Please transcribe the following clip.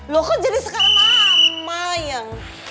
loh kok jadi sekarang ramai yang